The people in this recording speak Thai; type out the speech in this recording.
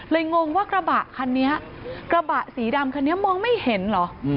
งงว่ากระบะคันนี้กระบะสีดำคันนี้มองไม่เห็นเหรอ